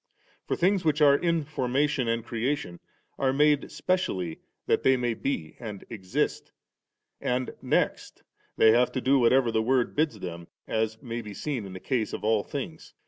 For things which are in formation and creation are made specially that they may be and exist », and next they have to do whatever the Word bids them, as may be seen in the case of all things.